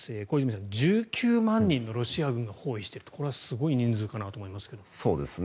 小泉さん、１９万人のロシア軍が包囲しているというこれはすごい人数かなと思いますけど。